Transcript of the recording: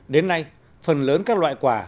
đến nay phần lớn các loại quả